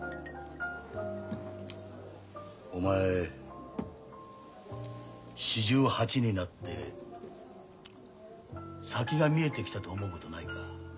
お前４８になって先が見えてきたと思うことないか？